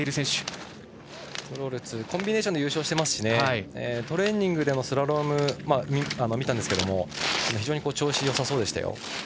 シュトロルツはコンビネーションで優勝してますしトレーニングでもスラロームを見たんですが非常に調子がよさそうでした。